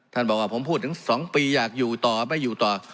ท่านบอกว่าผมพูดถึง๒ปีอยากอยู่ต่อไม่อยู่ต่อ